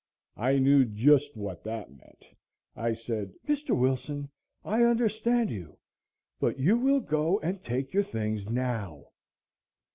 I knew just what that meant. I said: "Mr. Wilson, I understand you, but you will go and take your things now."